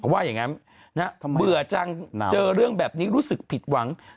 ว่าอย่างนั้นเบื่อจังเจอเรื่องแบบนี้รู้สึกผิดหวัง